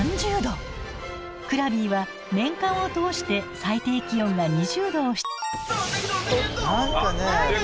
クラビは年間を通して最低気温が２０度を。